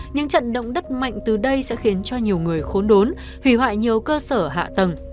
những trận động đất mạnh từ đây sẽ khiến cho nhiều người khốn đốn hủy hoại nhiều cơ sở hạ tầng